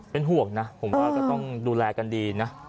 เป็นห่วงนะผมว่าก็ต้องดูแลกันดีนะ